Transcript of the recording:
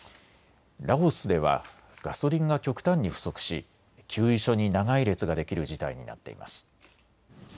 ラオスではガソリンが極端に不足し給油所に長い列ができる事態になっています。